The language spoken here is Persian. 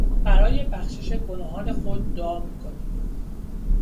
برای بخشش گناهان خود دعا میکنیم.